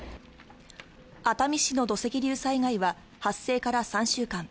熱海市の土石流災害は発生から３週間。